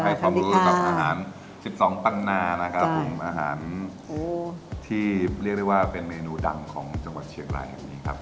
ให้ความรู้กับอาหาร๑๒ปันนานะครับผมอาหารที่เรียกได้ว่าเป็นเมนูดังของจังหวัดเชียงรายแห่งนี้ครับ